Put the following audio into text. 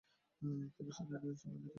তিনি ছিলেন এইচএমএস-এর তৃতীয় লেফটানান্ট।